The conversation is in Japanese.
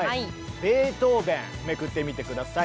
ベートーベンめくってみて下さい！